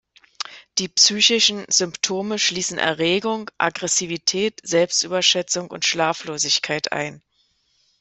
Die psychischen Symptome schließen Erregung, Aggressivität, Selbstüberschätzung und Schlaflosigkeit ein.